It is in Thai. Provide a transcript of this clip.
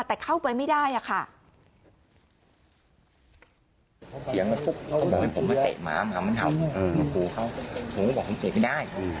แต่เข้าไปไม่ได้อะค่ะ